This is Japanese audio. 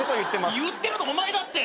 言ってるのお前だって！